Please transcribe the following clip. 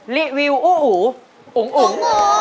รีวิวอู้อูอุ๋งอุ๋ง